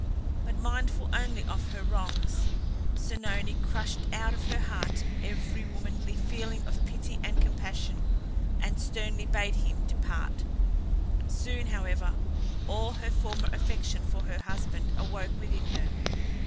But mindful only of her wrongs, Oenone crushed out of her heart every womanly feeling of pity and compassion, and sternly bade him depart. Soon, however, all her former affection for her husband awoke within her.